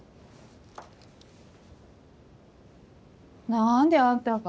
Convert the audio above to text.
何であんたが？